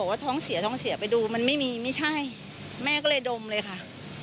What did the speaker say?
ท่านผมได้มาทำอะไรค่ะ